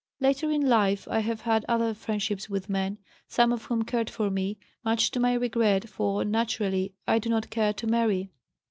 Later in life I have had other friendships with men, some of whom cared for me, much to my regret, for, naturally, I do not care to marry."